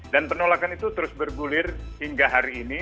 dan penolakan itu terus bergulir hingga hari ini